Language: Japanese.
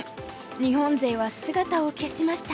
日本勢は姿を消しました。